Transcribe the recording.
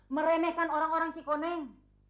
meremehkan orang orang cikoneng